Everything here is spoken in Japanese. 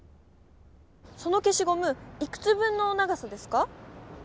そのけしごむいくつ分の長さですか？